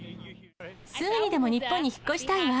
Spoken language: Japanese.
すぐにでも日本に引っ越したいわ。